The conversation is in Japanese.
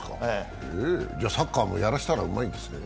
じゃあサッカーもやらせたらうまいんですね。